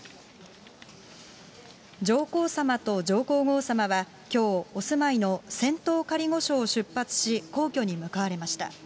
上皇さまと上皇后さまは、きょう、お住まいの仙洞仮御所を出発し、皇居に向かわれました。